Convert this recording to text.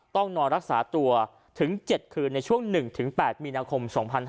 ต้องนอนรักษาตัวถึง๗คืนในช่วง๑๘มีนาคม๒๕๕๙